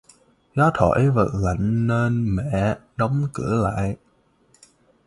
Gió thổi và lạnh nên mẹ đóng cửa lại